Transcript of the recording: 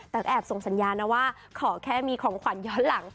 แต่ก็แอบส่งสัญญานะว่าขอแค่มีของขวัญย้อนหลัง